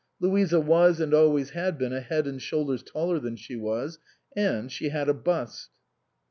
Louisa was and always had been a head and shoulders taller than she was ; and she had a bust.